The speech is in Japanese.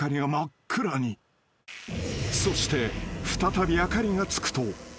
［そして再び明かりがつくと］